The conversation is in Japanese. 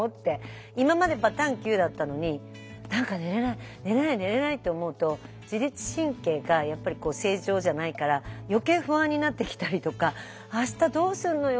今までバタンキューだったのに何か寝れない寝れない寝れないって思うと自律神経がやっぱり正常じゃないから余計不安になってきたりとか「明日どうすんのよ